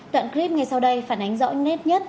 đoạn clip ngay sau đây phản ánh rõ nét nhất